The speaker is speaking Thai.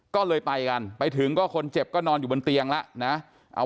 ก็เลยไปกันไปถึงก็คนเจ็บก็นอนอยู่บนเตียงแล้วนะ